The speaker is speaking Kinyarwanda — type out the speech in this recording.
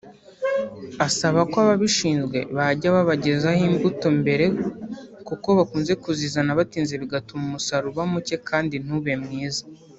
Asaba ko ababishinzwe bajya babagezaho imbuto mbere kuko bakunze kuzizana batinze bigatuma umusaruro uba muke kandi ntube mwiza